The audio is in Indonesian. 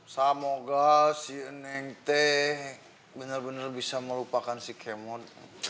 semoga si eneng teh bener bener bisa melupakan si kemon